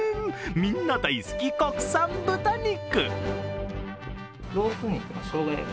みんな大好き、国産豚肉。